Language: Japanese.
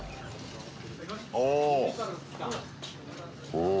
おお！